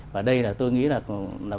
và đây là tôi nghĩ là